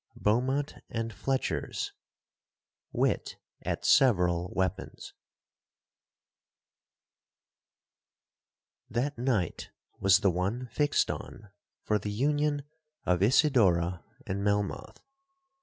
BEAUMONT and FLETCHER'S Wit at several Weapons 'That night was the one fixed on for the union of Isidora and Melmoth.